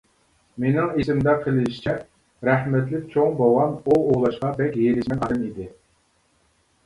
مېنىڭ ئېسىمدە قېلىشىچە رەھمەتلىك چوڭ بوۋام ئوۋ ئوۋلاشقا بەك ھېرىسمەن ئادەم ئىدى.